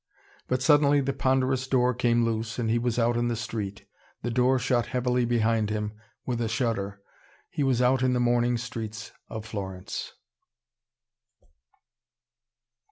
But suddenly the ponderous door came loose, and he was out in the street. The door shut heavily behind him, with a shudder. He was out in the morning streets of Florence.